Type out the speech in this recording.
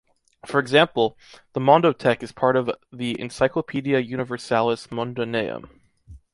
For example, the Mondothèque is part of the Encyclopedia Universalis Mundaneum.